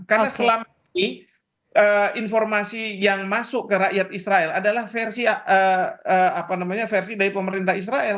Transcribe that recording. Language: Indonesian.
karena selama ini informasi yang masuk ke rakyat israel adalah versi dari pemerintah israel